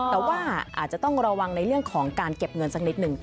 แต่ว่าอาจจะต้องระวังในเรื่องของการเก็บเงินสักนิดหนึ่ง